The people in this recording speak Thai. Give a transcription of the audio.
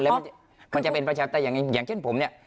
มันจะเป็นประชาทเเต่อย่างเช่นผมเนี่ย